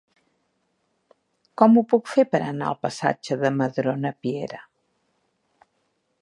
Com ho puc fer per anar al passatge de Madrona Piera?